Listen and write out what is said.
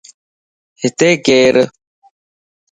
ھتي ڪير؟